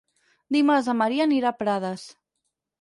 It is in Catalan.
Dimarts en Maria anirà a Prades.